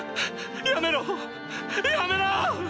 やめろやめろ！